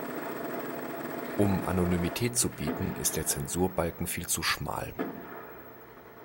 Um Anonymität zu bieten, ist der Zensurbalken viel zu schmal.